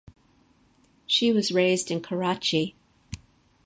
She was raised in Karachi.